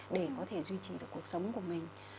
để có thể duy trì được cuộc sống của mình